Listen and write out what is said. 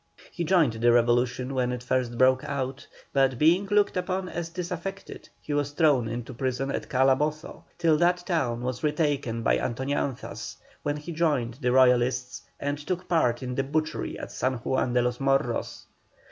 He joined the revolution when it first broke out, but being looked upon as disaffected he was thrown into prison at Calabozo till that town was retaken by Antoñanzas, when he joined the Royalists and took part in the butchery at San Juan de los Morros.